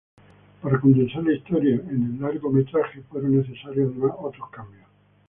Para condensar la historia en el largometraje fueron necesarios además otros cambios.